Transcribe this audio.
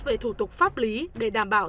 về thủ tục pháp lý để đảm bảo